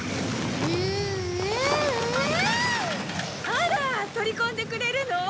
あら取り込んでくれるの？